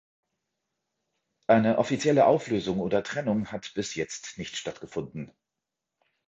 Eine offizielle Auflösung oder Trennung hat bis jetzt nicht stattgefunden.